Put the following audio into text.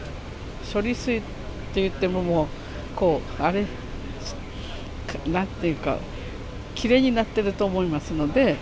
処理水っていっても、もう、こうあれ、なんていうか、きれいになってると思いますので。